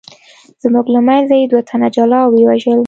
زموږ له منځه یې دوه تنه جلا او ویې وژل.